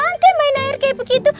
ada main air kayak begitu